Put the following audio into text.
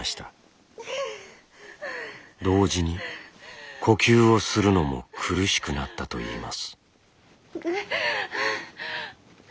同時に呼吸をするのも苦しくなったといいます。